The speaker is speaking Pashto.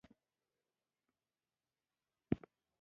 ميرويس خان يوه ټوپک ته ور وښويېد.